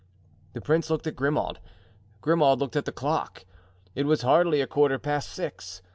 The prince looked at Grimaud, Grimaud looked at the clock; it was hardly a quarter past six.